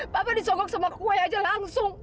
papa disogok sama kuei aja langsung